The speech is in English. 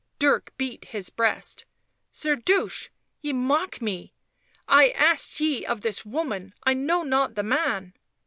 Dirk beat his breast. " Zerdusht ! ye mock me I I asked ye of this woman ! I know not the man."